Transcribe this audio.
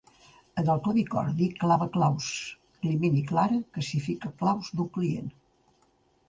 En el clavicordi clava claus Climent i Clara classifica claus d'un client.